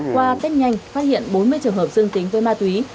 qua test nhanh phát hiện bốn mươi trường hợp dương tính với ma túy